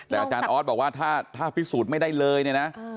แต่อาจารย์ออสบอกว่าถ้าพิสูจน์ไม่ได้เลยเนี่ยนะ